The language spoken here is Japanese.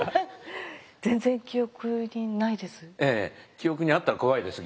全然記憶にないです。